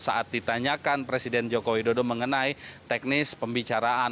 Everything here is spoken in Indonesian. saat ditanyakan presiden joko widodo mengenai teknis pembicaraan